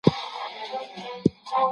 تاریخ باید د حقایقو پر بنسټ ولوستل سي.